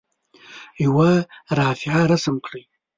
یوه رافعه رسم کړئ.